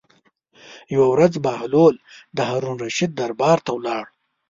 یوه ورځ بهلول د هارون الرشید دربار ته ولاړ.